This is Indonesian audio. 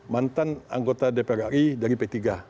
mantan anggota dpr ri dari p tiga